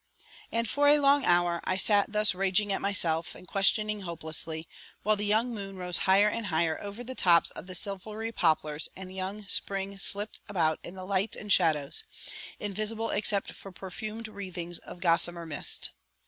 And for a long hour I sat thus raging at myself and questioning hopelessly, while the young moon rose higher and higher over the tops of the silvery poplars and young spring slipped about in the lights and shadows, invisible except for perfumed wreathings of gossamer mist.